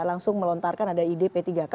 langsung melontarkan ada ide p tiga k